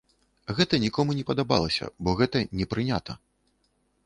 Гэта нікому не падабалася, бо гэта не прынята.